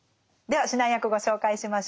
では指南役ご紹介しましょう。